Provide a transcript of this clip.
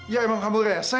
ya emang kamu reshe